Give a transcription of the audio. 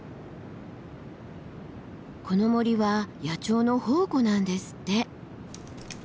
この森は野鳥の宝庫なんですって。